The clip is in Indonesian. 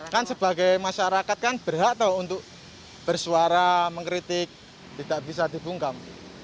kan sebagai masyarakat kan berhak untuk bersuara mengkritik tidak bisa dibungkam